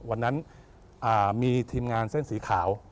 วันนั้นมีทีมงานเส้นสีขาว